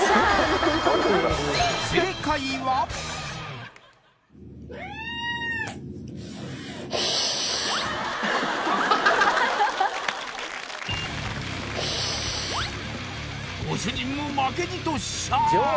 正解はご主人も負けじと「シャー」